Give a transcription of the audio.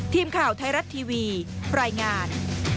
ทีมข่าวไทยรัฐทีวีรายงาน